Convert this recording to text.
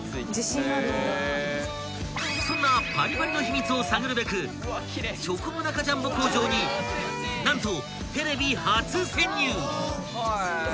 ［そんなパリパリの秘密を探るべくチョコモナカジャンボ工場に何と］